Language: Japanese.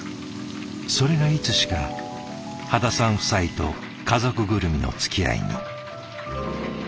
それがいつしか羽田さん夫妻と家族ぐるみのつきあいに。